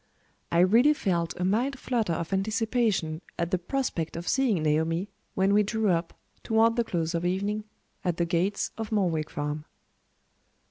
I really felt a mild flutter of anticipation at the prospect of seeing Naomi, when we drew up, toward the close of evening, at the gates of Morwick Farm.